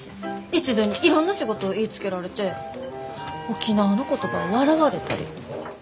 一度にいろんな仕事を言いつけられて沖縄の言葉を笑われたり。